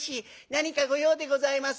何か御用でございますか？」。